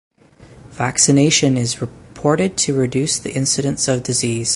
Vaccination is reported to reduce the incidence of disease.